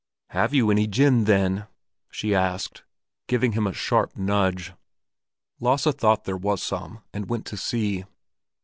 "Have you any gin, then?" she asked, giving him a sharp nudge. Lasse thought there was some, and went to see.